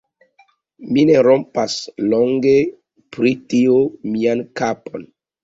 Mi ne rompas longe pri tio mian kapon.